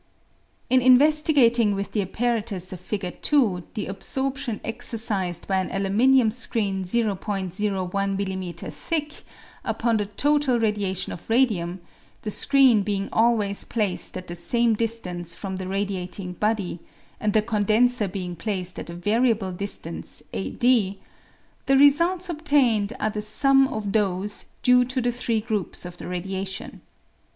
In investigating with the apparatus of Fig. 2 the absorp tion exercised by an aluminium screen o oi m.m. thick upon the total radiation of radium, the screen being always placed at the same distance from the radiating body, and the condenser being placed at a variable distance, a d, the results obtained are the sum of those due to the three groups of the radiation.